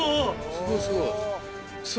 すごいすごい。